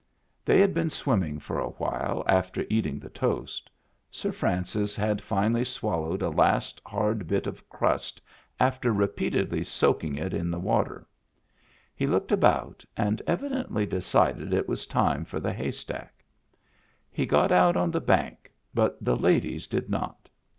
They had been swimming for a while after eating the toast. Sir Francis had finally swallowed a last hard bit of crust after repeatedly soaking it in the water. He looked about and evidently decided it was time for the haystack. He got out on the bank, but the ladies did not.